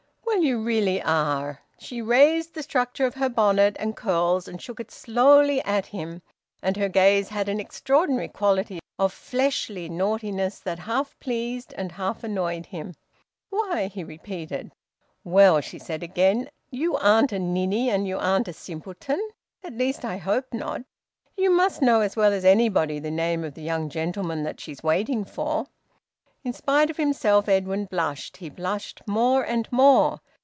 "Well, you really are!" She raised the structure of her bonnet and curls, and shook it slowly at him. And her gaze had an extraordinary quality of fleshly naughtiness that half pleased and half annoyed him. "Why?" he repeated. "Well," she said again, "you aren't a ninny, and you aren't a simpleton. At least I hope not. You must know as well as anybody the name of the young gentleman that she's waiting for." In spite of himself, Edwin blushed: he blushed more and more.